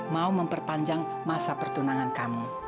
mau memperpanjang masa pertunangan kamu